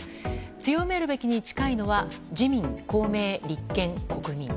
強めるべきに近いのは自民、公明、立憲、国民。